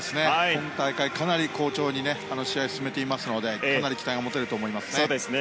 今大会、かなり好調に試合を進めていますので期待が持てると思いますね。